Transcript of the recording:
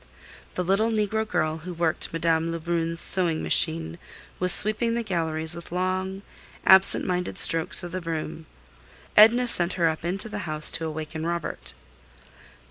The little negro girl who worked Madame Lebrun's sewing machine was sweeping the galleries with long, absent minded strokes of the broom. Edna sent her up into the house to awaken Robert.